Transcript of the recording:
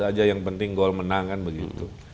aja yang penting gol menang kan begitu